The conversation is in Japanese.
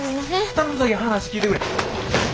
頼むさけ話聞いてくれ。